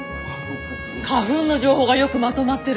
花粉の情報がよくまとまってる！